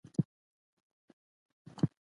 وزیرفتح خان خپل ورورانو ته لارښوونه وکړه.